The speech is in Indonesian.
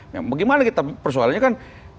bagaimana kita persoalannya kan